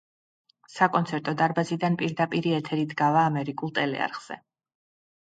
საკონცერტო დარბაზიდან პირდაპირი ეთერით გავა ამერიკულ ტელეარხზე.